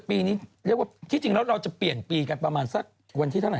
ปีนี้เรียกว่าที่จริงแล้วเราจะเปลี่ยนปีกันประมาณสักวันที่เท่าไ